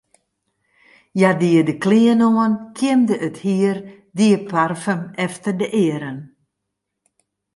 Hja die de klean oan, kjimde it hier, die parfum efter de earen.